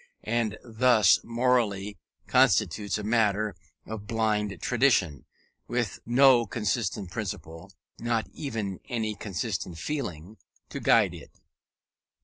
And thus morality continues a matter of blind tradition, with no consistent principle, nor even any consistent feeling, to guide it.